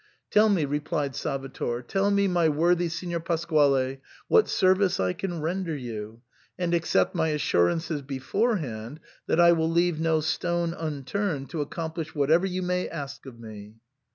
Tell me," replied Salvator, "tell me, my worthy Signor Pasquale, whsK service I can render you, and accept my assurances beforehand, that I will leave no stone unturned to accomplish whatever you may ask of me."